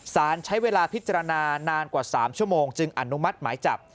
สารใช้เวลาพิจารณานานกว่า๓ชั่วโมงจึงอนุมัติหมายจับ